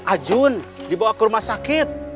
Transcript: ajun dibawa ke rumah sakit